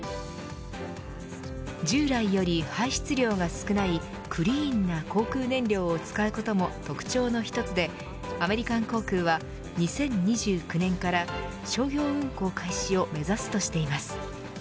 従来より排出量が少ないクリーンな航空燃料を使うことも特徴の一つでアメリカン航空は２０２９年から商業運航開始を目指すとしています。